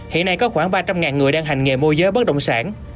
hiện nay có khoảng ba trăm linh người đang hành nghề môi giới bất động sản